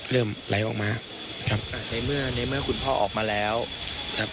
เริ่มไหลออกมาครับอ่าในเมื่อในเมื่อคุณพ่อออกมาแล้วครับ